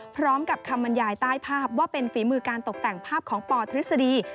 พร้อมกับคำบรรยายใต้ภาพว่าเป็นฝีมือการตกแต่งภาพของปทฤษฎี